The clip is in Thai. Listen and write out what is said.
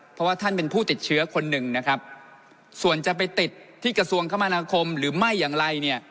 เพราะว่าท่านเป็นผู้ติดเชื้อคนหนึ่งนะครับส่วนจะไปติดที่กระทรวงคมนาคมหรือไม่อย่างไรเนี่ย